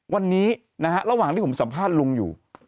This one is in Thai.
วันนี้นะฮะระหว่างที่ผมสัมภาษณ์ลุงอยู่